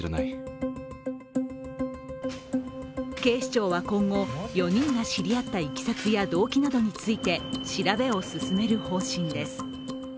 警視庁は今後、４人が知り合ったいきさつや動機などについて調べを進める方針です。